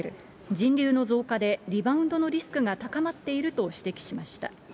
人流の増加でリバウンドのリスクが高まっていると指摘しました。